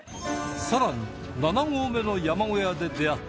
さらに７合目の山小屋で出会ったのは